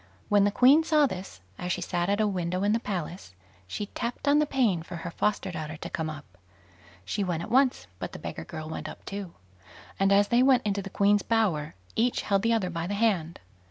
When the Queen saw this, as she sat at a window in the palace, she tapped on the pane for her foster daughter to come up. She went at once, but the beggar girl went up too; and as they went into the Queen's bower, each held the other by the hand.